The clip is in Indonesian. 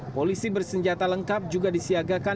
polisi bersenjata lengkap juga disiagakan